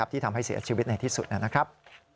ที่ทำให้เสียชีวิตในที่สุดนะครับ